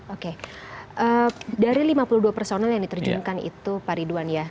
oke dari lima puluh dua personel yang diterjunkan itu pak ridwan ya